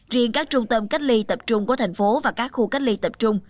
riêng các trung tâm cách ly tập trung của thành phố và các khu cách ly tập trung